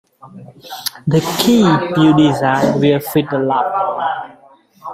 The key you designed will fit the lock.